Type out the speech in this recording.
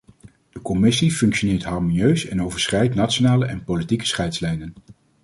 De commissie functioneert harmonieus en overschrijdt nationale en politieke scheidslijnen.